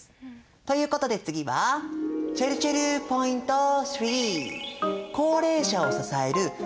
ということで次はちぇるちぇるポイント３。